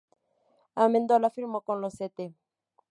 Amendola firmó con los St.